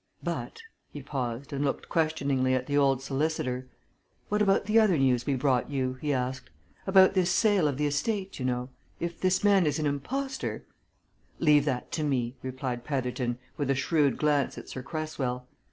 But," he paused and looked questioningly at the old solicitor. "What about the other news we brought you?" he asked. "About this sale of the estate, you know? If this man is an impostor " "Leave that to me," replied Petherton, with a shrewd glance at Sir Cresswell.